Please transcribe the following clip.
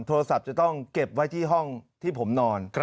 โทรศัพท์จะต้องเก็บไว้ที่ห้องที่ผมนอน